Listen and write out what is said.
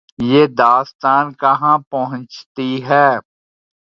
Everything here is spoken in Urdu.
یہ داستان کہاں پہنچتی ہے۔